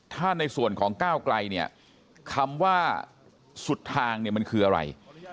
ถ้าในส่วนของก้าวไกลเนี่ยคำว่าสุดทางเนี่ยมันคืออะไร